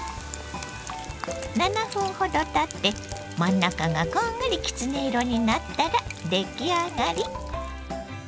７分ほどたって真ん中がこんがりきつね色になったら出来上がり。